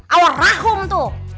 awal rahum tuh